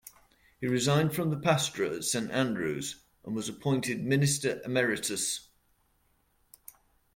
He resigned from the Pastorate at Saint Andrew's, and was appointed minister Emeritus.